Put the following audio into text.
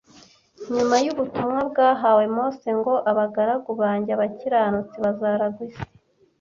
nyuma y’Ubutumwa (bwahawe Mose): ngo ‘abagaragu banjye, abakiranutsi, bazaragwa isi